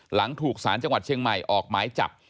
หลังถูกสารจังหวัดเชียงใหม่ออกหมายจับ